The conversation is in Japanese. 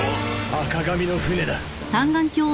赤髪の船だ